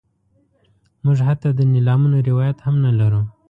موږ حتی د نیلامونو روایت هم نه لرو.